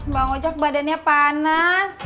bang ojak badannya panas